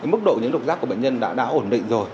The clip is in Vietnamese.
mức độ những độc giác của bệnh nhân đã ổn định rồi